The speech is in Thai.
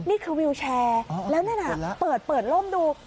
นี่คือวิวแชร์แล้วนั่นน่ะเปิดล่มดู